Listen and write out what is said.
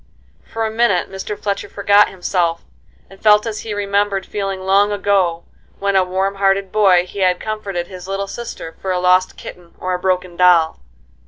For a minute Mr. Fletcher forgot himself, and felt as he remembered feeling long ago, when, a warm hearted boy, he had comforted his little sister for a lost kitten or a broken doll.